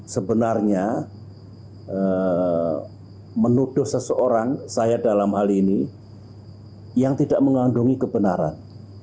sebenarnya menuduh seseorang saya dalam hal ini yang tidak mengandungi kebenaran